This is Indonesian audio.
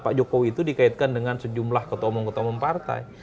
pak jokowi itu dikaitkan dengan sejumlah ketua umum ketua umum partai